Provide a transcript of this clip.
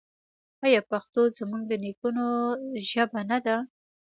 آیا پښتو زموږ د نیکونو ژبه نه ده؟